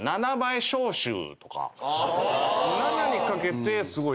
「７」に掛けてすごい。